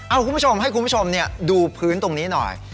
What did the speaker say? เอาคุณผู้ชมให้คุณผู้ชมดูพื้นตรงนี้หน่อย